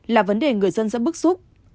là vấn đề người dân rất bức xúc